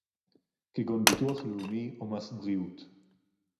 כגון ביטוח לאומי או מס בריאות